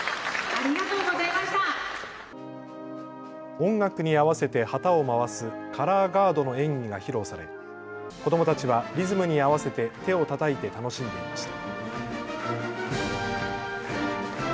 音楽に合わせて旗を回すカラーガードの演技が披露され子どもたちはリズムに合わせて手をたたいて楽しんでいました。